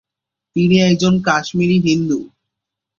তিনি একজন কাশ্মীরী হিন্দু।